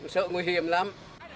sợ nguy hiểm lắm